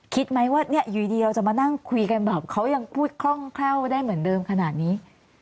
คิดไหมว่าเนี่ยอยู่ดีเราจะมานั่งคุยกันแบบเขายังพูดคล่องแคล่วได้เหมือนเดิมขนาดนี้